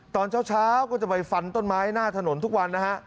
ตอนเช้าก็จะไปฟันต้นไม้หน้าถนนทุกวันนะฮะ